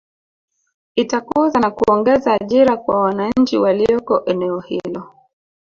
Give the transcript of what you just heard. Itakuza na kuongeza ajira kwa wananchi walioko eneo hilo